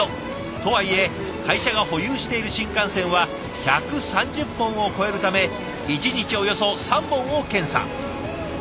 とはいえ会社が保有している新幹線は１３０本を超えるため一日およそ３本を検査。